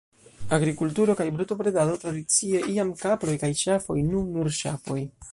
Agrikulturo kaj brutobredado tradicie, iam kaproj kaj ŝafoj, nun nur ŝafoj.